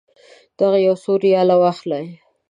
دغه یو څو ریاله واخلئ.